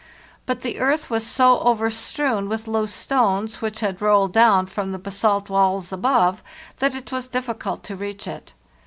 But the earth was so overstrewn with loose stones, which had rolled down from the basalt walls above, that it was difficult to reach it.